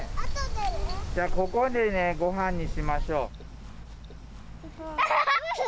じゃあここでねご飯にしましょう。